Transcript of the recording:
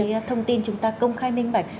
cái thông tin chúng ta công khai minh bạch